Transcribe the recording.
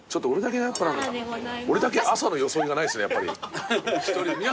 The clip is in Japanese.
俺だけ朝の装いがないですねやっぱり。